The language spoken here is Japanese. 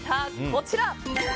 こちら。